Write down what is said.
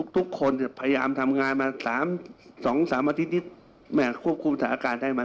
ทุกคนพยายามทำงานมา๒๓าทิตย์ควบคุมสถาณะอาการมาแล้ว